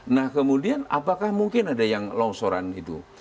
nah kemudian apakah mungkin ada yang longsoran itu